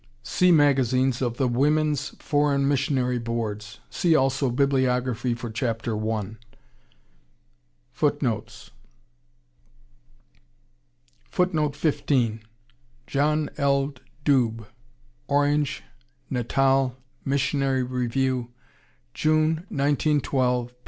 See magazines of the Women's Foreign Missionary Boards. See also Bibliography for Chapter I. FOOTNOTES: John L. Dube, Orange, Natal, Missionary Review, June, 1912, p.